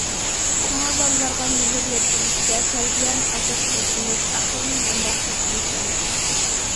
شۇڭا بالىلارغا مېھىر يەتكۈزۈشتە تەربىيەنى ئاساس قىلىشىمىز، ئەقىلنى ھەمراھ قىلىشىمىز لازىم.